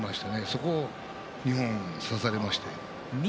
そこを二本差されました。